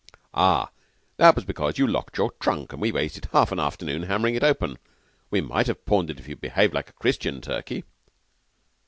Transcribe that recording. "Ah, that was because you locked your trunk, and we wasted half the afternoon hammering it open. We might have pawned it if you'd behaved like a Christian, Turkey."